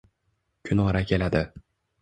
Kunora keladi.